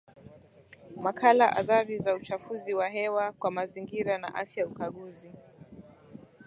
Makala Athari za Uchafuzi wa Hewa kwa Mazingira na Afya Ukaguzi